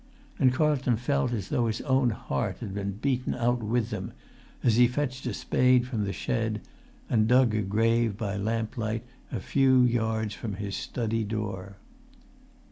And Carlton felt as though his own heart had been beaten out with them, as he fetched a spade from the shed, and dug a grave by lamplight a few yards from his study door.